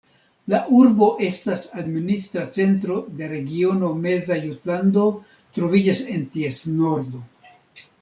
La urbo estas administra centro de la Regiono Meza Jutlando, troviĝas en ties nordo.